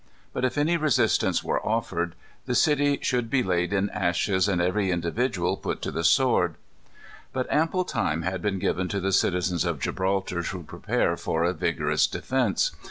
But if any resistance were offered, the city should be laid in ashes and every individual put to the sword. But ample time had been given to the citizens of Gibraltar to prepare for a vigorous defence.